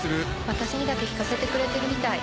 私にだけ聴かせてくれてるみたい。